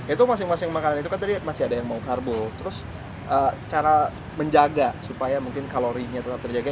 itu masing masing makanan itu kan tadi masih ada yang mau karbo terus cara menjaga supaya mungkin kalorinya tetap terjaga